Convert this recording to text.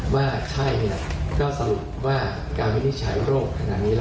ว่าใช่เนี่ยก็สรุปว่าการวินิจฉายโรคขนาดนี้